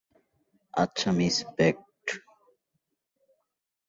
আচ্ছা, miss Bagot.